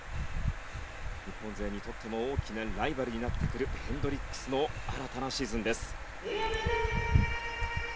日本勢にとっても大きなライバルになってくるヘンドリックスの新たなシーズンです。